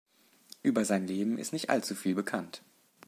Über sein Leben ist nicht allzu viel bekannt.